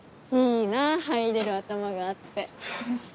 いいなぁ入れる頭があって。